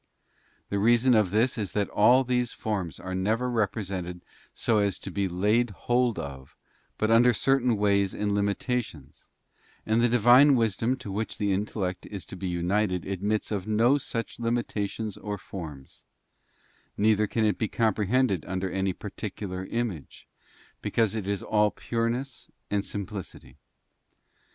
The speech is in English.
The reason of this is that all these forms are never represented so as to be laid hold of but under certain ways and limitations, and the Divine Wisdom to which the in tellect: is to be united admits of no such limitations or forms, neither can it be comprehended under any particular image, because it is all pureness and simplicity.